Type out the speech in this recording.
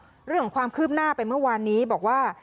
เรื่องของความคืบหน้าไปเมื่อวานนี้บอกว่า